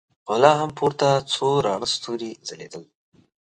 خو لا هم پورته څو راڼه ستورې ځلېدل.